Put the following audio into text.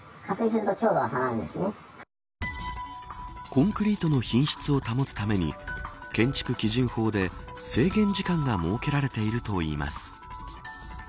コンクリートの品質を保つために建築基準法で制限時間が設けられているといいます